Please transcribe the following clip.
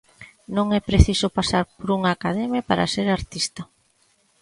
Non é preciso pasar por unha academia para ser artista.